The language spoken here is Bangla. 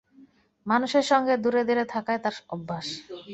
মানুষের সঙ্গে দূরে দূরে থাকাই তাঁর অভ্যাস।